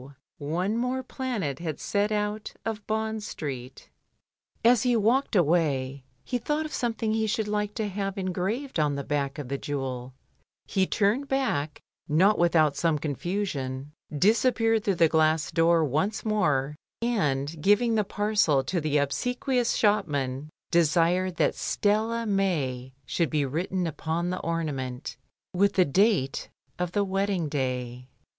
one more planet had set out of Bond Street. As he walked away he thought of something he should like to have engraved on the back of the jewel, he turned back, not without some confusion, disappeared through the glass door once more, and giving the parcel to the obsequious shop man desired that Stella mea should be written upon the onlament with the date of the wedding day.